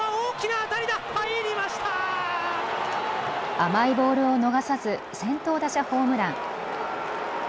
甘いボールを逃さず先頭打者ホームラン。